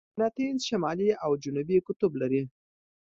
مقناطیس شمالي او جنوبي قطب لري.